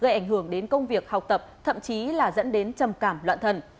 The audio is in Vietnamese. gây ảnh hưởng đến công việc học tập thậm chí là dẫn đến trầm cảm loạn thần